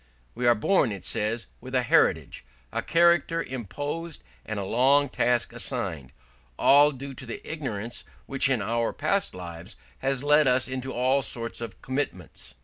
We are born, it says, with a heritage, a character imposed, and a long task assigned, all due to the ignorance which in our past lives has led us into all sorts of commitments.